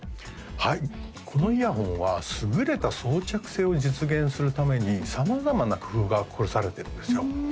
はいこのイヤホンは優れた装着性を実現するために様々な工夫が凝らされてるんですよ